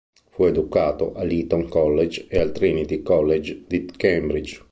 Fu educato all'Eton College e al Trinity College di Cambridge.